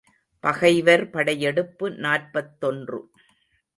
பகைவர் படையெடுப்பு நாற்பத்தொன்று.